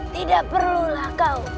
tidak perlulah kau